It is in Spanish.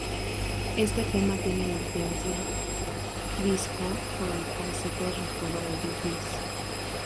Este tema tiene tendencia disco y por el falsete recuerda a Bee Gees.